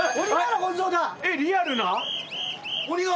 リアルな？